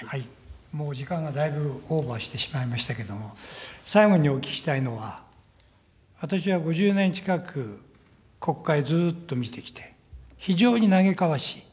もう時間がだいぶオーバーしてしまいましたけれども、最後にお聞きしたいのは、私は５０年近く、国会ずっと見てきて、非常に嘆かわしい。